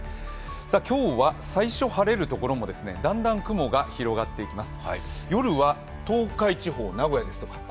今日は最初晴れるところもだんだん雲が広がっていきます。